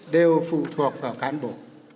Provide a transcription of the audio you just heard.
đều phụ thuộc vào cán bộ